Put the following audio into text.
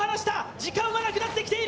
時間はなくなってきている。